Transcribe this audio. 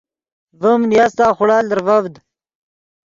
ڤیم نیاستا خوڑا لرڤڤد